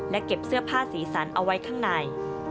และเก็บเสื้อผ้าสีสันเอาไว้ข้างใน